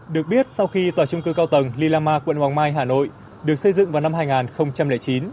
được biết sau khi tòa trung cư cao tầng lila ma quận hoàng mai hà nội được xây dựng vào năm hai nghìn chín